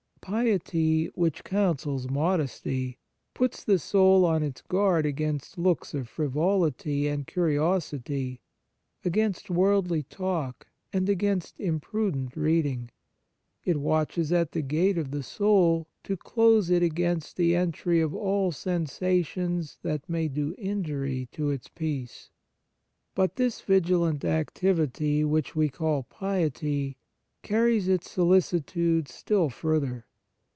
Piety, which 126 The Fruits of Piety counsels modesty, puts the soul on its guard against looks of frivolity and curiosity, against worldly talk, and against imprudent reading ; it watches at the gate of the soul to close it against the entry of all sen sations that may do injury to its peace. But this vigilant activity, which we call piety, carries its solicitude still further.